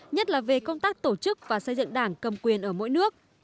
nhất là về công tác tổ chức và xây dựng đảng cầm quyền ở mỗi nước